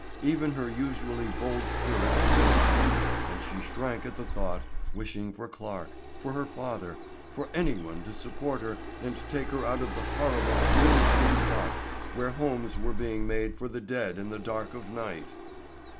Even her usually bold spirit was startled and she shrank at the thought, wishing for Clarke, for her father, for any one to support her and take her out of the horrible, moonlighted spot where homes were being made for the dead in the dark of night.